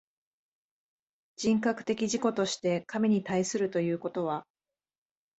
人格的自己として神に対するということは、